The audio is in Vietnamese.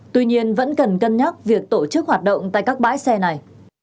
tuy nhiên vẫn cần cân nhắc việc tổ chức hoạt động tại các bãi xe này